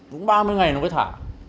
vẫn ba mươi ngày nó mới thả